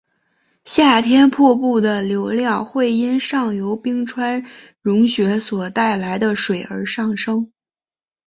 夏天瀑布的流量会因上游冰川融雪所带来的水而上升。